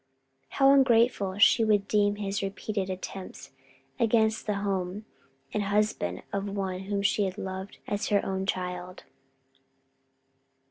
How ungrateful she would deem his repeated attempt against the home and husband of one whom she loved as her own child.